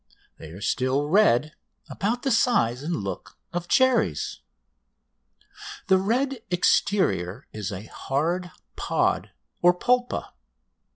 They are still red, about the size and look of cherries. The red exterior is a hard pod or polpa.